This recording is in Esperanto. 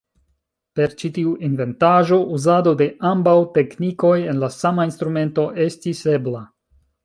Per ĉi tiu inventaĵo uzado de ambaŭ teknikoj en la sama instrumento estis ebla.